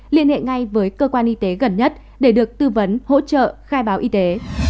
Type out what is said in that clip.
liên hệ ngay với cơ quan y tế gần nhất để được tư vấn hỗ trợ khai báo y tế